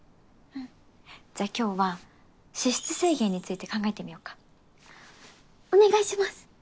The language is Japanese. うんじゃあ今日は脂質制限について考えてみよっかお願いします